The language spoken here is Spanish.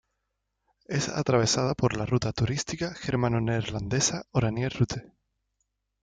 Es atravesada por la ruta turística germano-neerlandesa Oranier-Route.